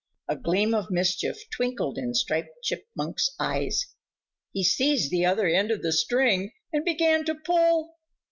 A gleam of mischief twinkled in Striped Chipmunk's eyes. He seized the other end of the string and began to pull.